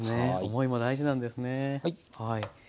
思いも大事なんですね。